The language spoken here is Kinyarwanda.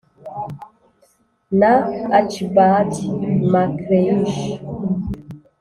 na archibald macleish